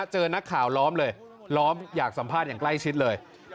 เจอนักข่าวล้อมเลยล้อมอยากสัมภาษณ์อย่างใกล้ชิดเลย